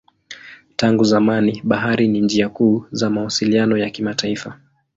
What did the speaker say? Tangu zamani bahari ni njia kuu za mawasiliano ya kimataifa.